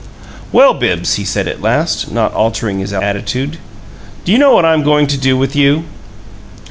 "Well, Bibbs," he said at last, not altering his attitude, "do you know what I'm goin' to do with you?"